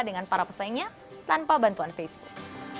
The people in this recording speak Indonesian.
dengan para pesaingnya tanpa bantuan facebook